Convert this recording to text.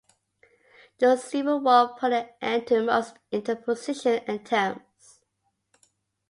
The Civil War put an end to most interposition attempts.